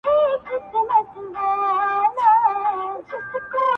ه ولي په زاړه درد کي پایماله یې.